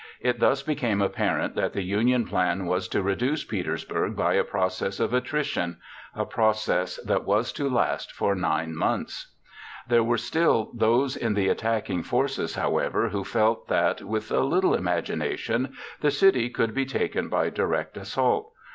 It thus became apparent that the Union plan was to reduce Petersburg by a process of attrition—a process that was to last for 9 months. There were still those in the attacking forces, however, who felt that, with a little imagination, the city could be taken by direct assault.